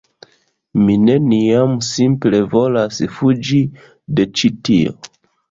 Mi neniam simple volas fuĝi de ĉi tio